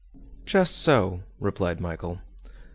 "Just so," replied Michel.